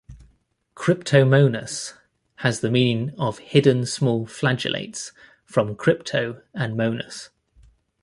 "Cryptomonas" has the meaning of hidden small flagellates from "crypto" and "monas".